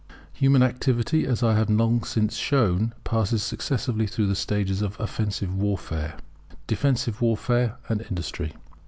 Human activity, as I have long since shown, passes successively through the stages of Offensive warfare, Defensive warfare, and Industry.